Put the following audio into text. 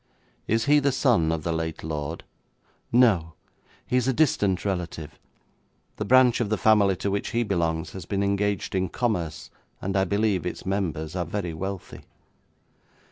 'Is he the son of the late lord?' 'No; he is a distant relative. The branch of the family to which he belongs has been engaged in commerce, and, I believe, its members are very wealthy.'